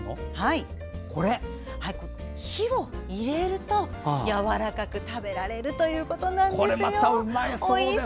火を入れるとやわらかく食べられるということなんです。